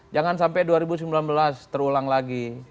jangan sampai dua ribu sembilan belas terulang lagi